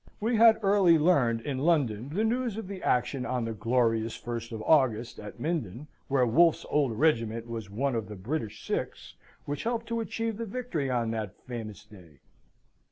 We had early learned in London the news of the action on the glorious first of August at Minden, where Wolfe's old regiment was one of the British six which helped to achieve the victory on that famous day.